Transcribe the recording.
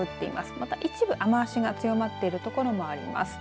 また一部雨足が強まっている所もあります。